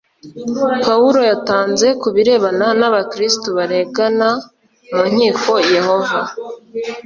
pawulo yatanze ku birebana n abakristo baregana mu nkiko yehova